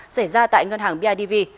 xảy ra tại ngân hàng bidv